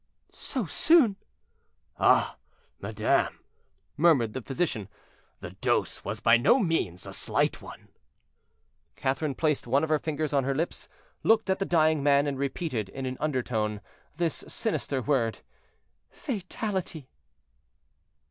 "So soon?" "Ah! madame," murmured the physician, "the dose was by no means a slight one." Catherine placed one of her fingers on her lips, looked at the dying man, and repeated in an undertone this sinister word, "Fatality!"